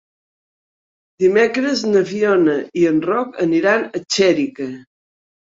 Dimecres na Fiona i en Roc aniran a Xèrica.